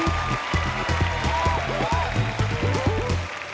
กลับมาดู